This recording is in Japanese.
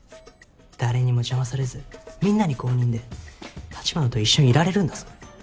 誰にも邪魔されずみんなに公認で橘と一緒にいられるんだぞ。